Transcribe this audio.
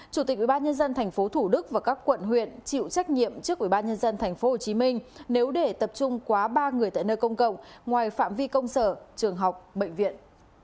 chủ tịch ubnd tp thủ đức và các quận huyện chịu trách nhiệm trước ubnd tp hcm nếu để tập trung quá ba người tại nơi công cộng ngoài phạm vi công sở trường học bệnh viện